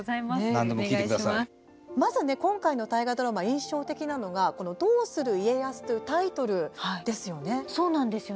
まず、今回の大河ドラマ印象的なのが「どうする家康」というタイトルですよね。